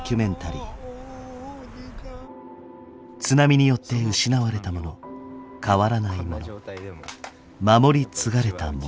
津波によって失われたもの変わらないもの守り継がれたもの。